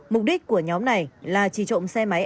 mục đích của nhóm này là chỉ trộm xe máy